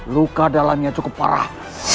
luka dalamnya cukup parah